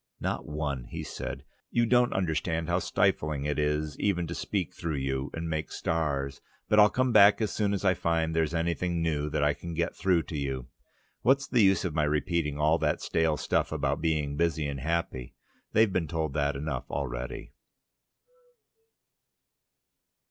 "Not one," said he. "You don't understand how stifling it is even to speak through you and make stars. But I'll come back as soon as I find there's anything new that I can get through to you. What's the use of my repeating all that stale stuff about being busy and happy? They've been told that often enough already."